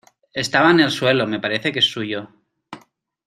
estaba en el suelo. me parece que es suyo .